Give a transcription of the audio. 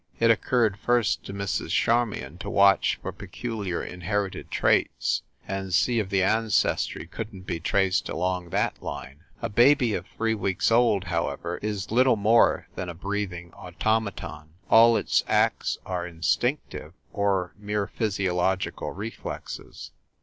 It occurred first to Mrs. Charmion to watch for peculiar inherited traits and see if the ancestry couldn t be traced along that line. A baby of three weeks old, however, is little more than a breathing automaton. All its acts are instinctive, or mere physiological reflexes.